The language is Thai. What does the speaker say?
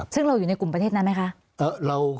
ซึ่งเราอยู่ในกลุ่มประเทศนั้นไหมคะ